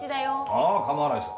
ああ構わないさ。